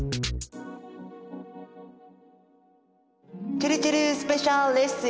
ちぇるちぇるスペシャルレッスン！